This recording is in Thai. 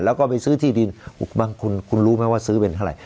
แล้วก็ไปซื้อที่ดินบางคุณคุณรู้ไหมว่าซื้อเป็นเท่าไหร่